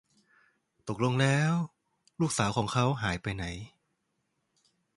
ตกลงแล้วลูกสาวของเขาหายไปไหน